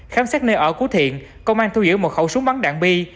khám xét nơi ở của thiện công an thu giữ một khẩu súng bắn đạn bi